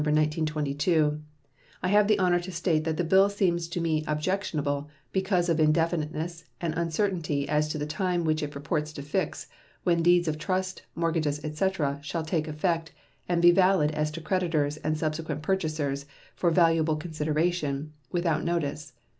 1922, I have the honor to state that the bill seems to me objectionable because of indefiniteness and uncertainty as to the time which it purports to fix when deeds of trust, mortgages, etc., shall take effect and be valid as to creditors and subsequent purchasers for valuable consideration without notice.